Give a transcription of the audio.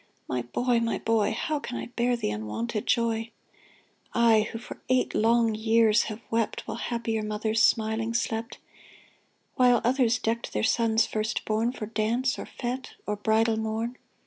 My boy ! my boy ! How can I bear the unwonted joy? I, who for eight long years have wept While happier mothers smiling slept ; While others decked their sons first born For dance, or fete, or bridal morn.